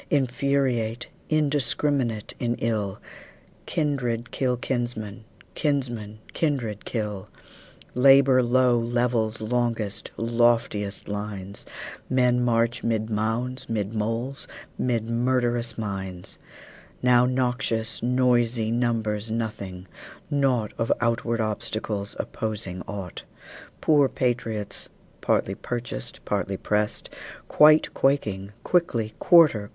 Infuriate, indiscrminate in ill, Kindred kill kinsmen, kinsmen kindred kill. Labor low levels longest, lofiest lines; Men march 'mid mounds, 'mid moles, ' mid murderous mines; Now noxious, noisey numbers nothing, naught Of outward obstacles, opposing ought; Poor patriots, partly purchased, partly pressed, Quite quaking, quickly "Quarter!